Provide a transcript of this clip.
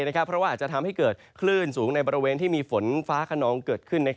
เพราะว่าอาจจะทำให้เกิดคลื่นสูงในบริเวณที่มีฝนฟ้าขนองเกิดขึ้น